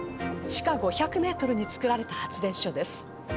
地下５００メートルに作られた発電所です。